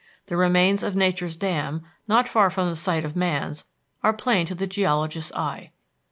The remains of Nature's dam, not far from the site of man's, are plain to the geologist's eye.